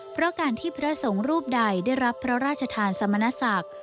เพราะการที่พระสงฆ์รูปใดได้รับพระราชทานสมณศักดิ์